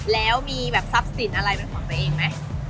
แล้วมีแบบซับสินอะไรของตัวเองไหม